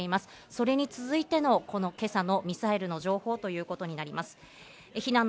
それに続いての、この今朝のミサイルの情報ということになります。